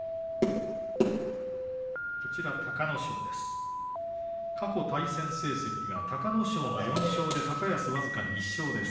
隆の勝、過去対戦成績は隆の勝が４勝で高安、僅か１勝です。